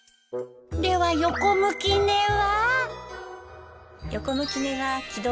では横向き寝は？